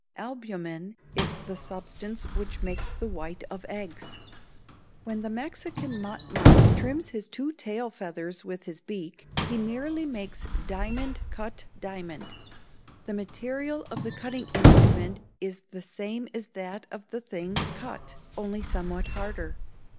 Albumen is the substance which makes the white of eggs. When the Mexican motmot trims his two tail feathers with his beak, he merely makes diamond cut diamond. The material of the cutting instrument is the same as that of the thing cut, only somewhat harder.